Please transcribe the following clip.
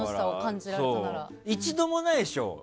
一度もないでしょ。